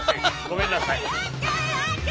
ごめんなさい。